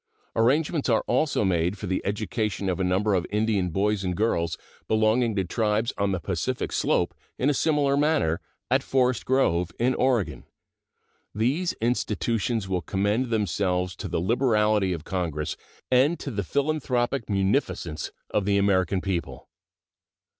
Arrangements are also made for the education of a number of Indian boys and girls belonging to tribes on the Pacific Slope in a similar manner, at Forest Grove, in Oregon. These institutions will commend themselves to the liberality of Congress and to the philanthropic munificence of the American people.